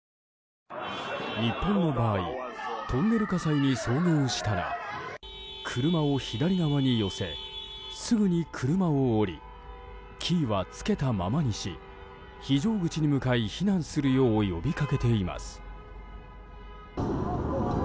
日本の場合トンネル火災に遭遇したら車を左側に寄せ、すぐに車を降りキーはつけたままにし非常口に向かい避難するよう呼び掛けています。